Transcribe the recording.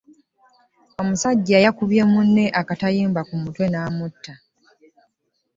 Omusajja yakubye munne akatayimbwa ku mutwe n'amutta.